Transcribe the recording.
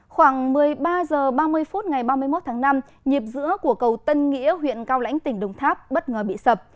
khoảng một mươi ba h ba mươi phút ngày ba mươi một tháng năm nhịp dữa của cầu tân nghĩa huyện cao lãnh tỉnh đồng tháp bất ngờ bị sập